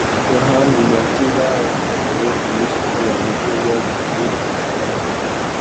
Yohana Umubatiza yahaye Kristo babiri bo mu bigishwa be.